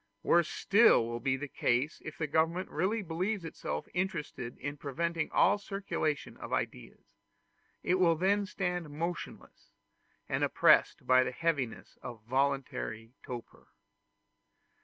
Worse still will be the case if the government really believes itself interested in preventing all circulation of ideas; it will then stand motionless, and oppressed by the heaviness of voluntary torpor.